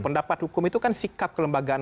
pendapat hukum itu kan sikap kelembagaan